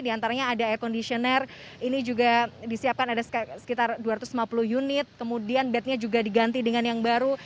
di antaranya ada air conditioner ini juga disiapkan ada sekitar dua ratus lima puluh unit kemudian bednya juga diganti dengan yang baru